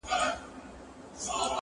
نه په وطن کي آشیانه سته زه به چیري ځمه،